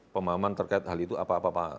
pemahaman terkait hal itu apa apa pak